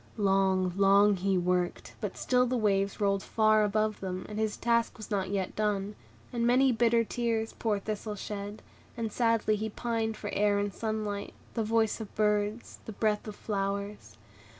Long, long, he worked; but still the waves rolled far above them, and his task was not yet done; and many bitter tears poor Thistle shed, and sadly he pined for air and sunlight, the voice of birds, and breath of flowers.